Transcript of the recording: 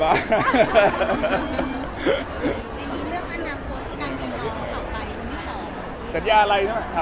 สัญญาอะไรถามสัญญาอะไรแล้วหรือเปล่า